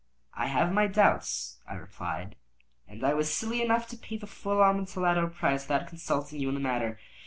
"I have my doubts," I replied; "and I was silly enough to pay the full Amontillado price without consulting you in the matter.